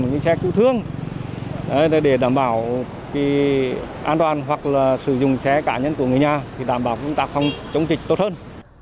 những xe cụ thương để đảm bảo an toàn hoặc là sử dụng xe cá nhân của người nhà thì đảm bảo công tác phòng dịch tốt hơn